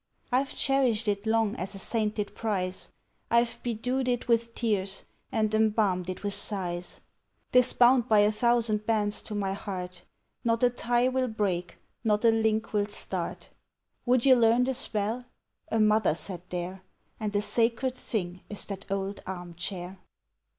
I've cherished it long as a sainted prize; I've bedewed it with tears and embalmed it with sighs 'Tis bound by a thousand bands to my heart; Not a tie will break, not a link will start. Would ye learn the spell? a mother sat there: And a sacred thing is that old arm chair.